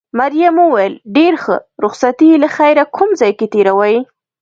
مريم وویل: ډېر ښه، رخصتي له خیره کوم ځای کې تېروې؟